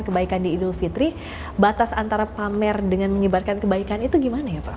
kebaikan di idul fitri batas antara pamer dengan menyebarkan kebaikan itu gimana ya pak